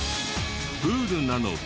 プールなので。